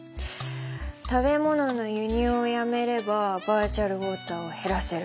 食べ物の輸入をやめればバーチャルウォーターはへらせる。